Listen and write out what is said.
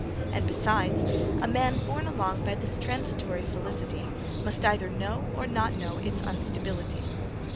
And, besides, a man borne along by this transitory felicity must either know or not know its unstability.